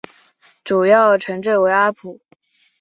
主要城镇为阿普。